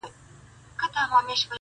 نه سل سرى اژدها په گېډه موړ سو!!